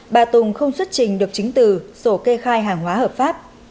bà tùng không xuất trình được chứng từ sổ kê khai hàng hóa hợp pháp